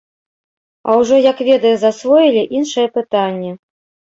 А ўжо як веды засвоілі, іншае пытанне.